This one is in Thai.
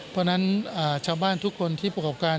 เพราะฉะนั้นชาวบ้านทุกคนที่ปฐกัน